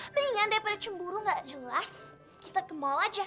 mendingan daripada cemburu nggak jelas kita ke mall aja